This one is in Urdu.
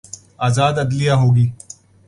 آزاد عدلیہ ہو گی۔